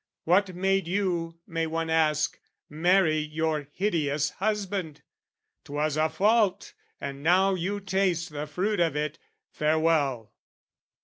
What made you, may one ask, "Marry your hideous husband? 'Twas a fault, "And now you taste the fruit of it. Farewell."